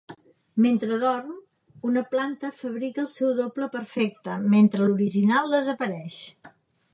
Mentre dorm, una planta fabrica el seu doble perfecte, mentre l'original desapareix.